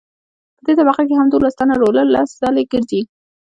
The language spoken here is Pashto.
په دې طبقه هم دولس ټنه رولر لس ځله ګرځي